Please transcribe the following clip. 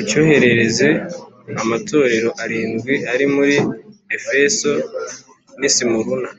ucyoherereze amatorero arindwi ari muri Efeso n’i Simuruna,